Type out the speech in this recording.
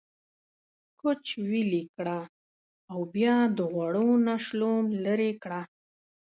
کوچ ويلي کړه او بيا د غوړو نه شلوم ليرې کړه۔